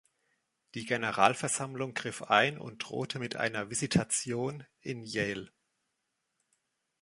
Die Generalversammlung griff ein und drohte mit einer „Visitation“ in Yale.